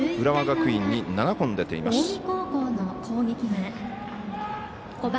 浦和学院に７本出ています。